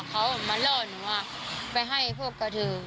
เขามาเลิกหนูไปให้พวกกระทืม